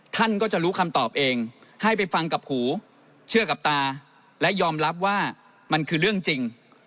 ท่านก็จะรู้คำตอบเองให้ไปฟังกับหูเชื่อกับตาและยอมรับว่ามันคือเรื่องจริง